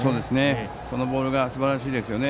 そのボールがすばらしいですよね。